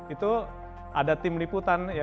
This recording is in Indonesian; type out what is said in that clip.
itu ada tim liputan ya